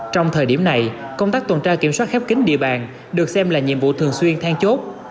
trong thời điểm này công tác tuần tra kiểm soát khép kính địa bàn được xem là nhiệm vụ thường xuyên thang chốt